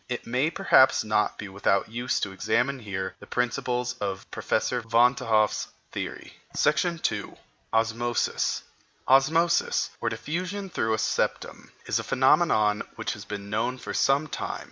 It may perhaps not be without use to examine here the principles of Professor Van t'Hoff's theory. § 2. OSMOSIS Osmosis, or diffusion through a septum, is a phenomenon which has been known for some time.